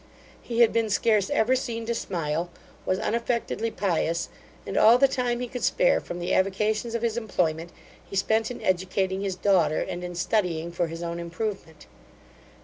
He had been scarce ever seen to smile; was unaffectedly pious; and all the time he could spare from the avocations of his employment, he spent in educating his daughter, and in studying for his own improvement.